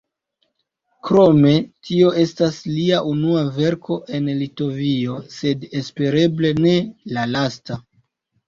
Krome, tio estas lia unua verko en Litovio, sed, espereble, ne la lasta.